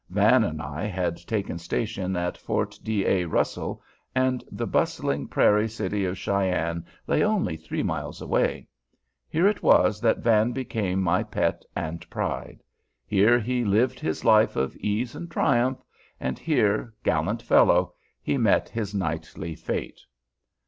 Van and I had taken station at Fort D. A. Russell, and the bustling prairie city of Cheyenne lay only three miles away. Here it was that Van became my pet and pride. Here he lived his life of ease and triumph, and here, gallant fellow, he met his knightly fate.